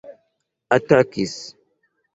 atakis